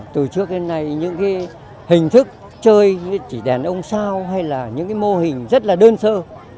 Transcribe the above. từ trước đến nay những cái hình thức chơi chỉ đèn ông sao hay là những cái mô hình rất là đơn sơ